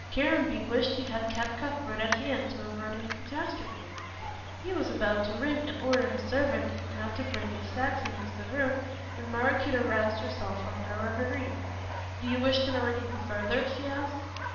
Caranby wished he had kept Cuthbert at hand to avert any catastrophe. He was about to ring and order his servant not to bring Miss Saxon into the room when Maraquito roused herself from her reverie. "Do you wish to know anything further?" she asked.